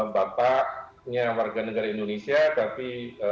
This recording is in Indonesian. bapaknya warga negara indonesia tapi